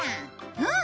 うん。